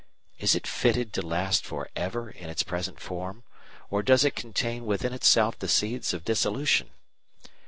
Is it fitted to last for ever in its present form, or does it contain within itself the seeds of dissolution?